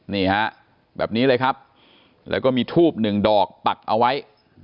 นี่ฮะแบบนี้เลยครับแล้วก็มีทูบหนึ่งดอกปักเอาไว้